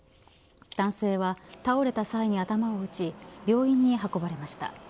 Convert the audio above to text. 男性は倒れた際に頭を打ち病院に運ばれました。